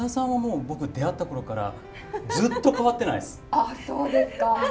あそうですか。